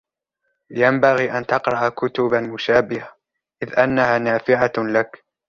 ينبغي أن تقرأ كتبًا مشابهةً إذ أنها نافعة لك.